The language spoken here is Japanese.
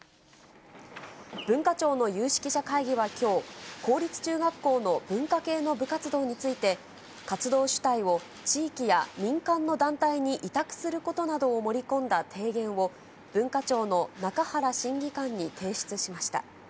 文化庁の有識者会議はきょう、公立中学校の文化系の部活動について、活動主体を地域や民間の団体に委託することなどを盛り込んだ提言を、文化庁の中原審議官に提出しました。